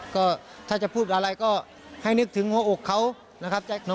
ก็ถ้าจะพูดอะไรก็ให้นึกถึงหัวอกเขานะครับ